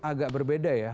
agak berbeda ya